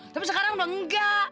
tapi sekarang udah enggak